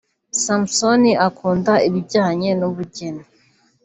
Samson akunda ibijyanye n’ubugeni